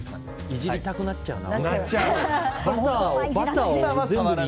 いじりたくなっちゃうな。